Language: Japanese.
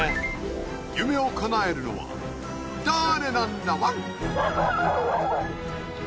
夢を叶えるのは誰なんだワン！